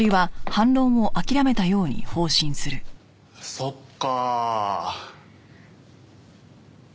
そっか。